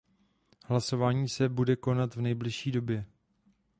Hlasování se bude konat v nejbližší době.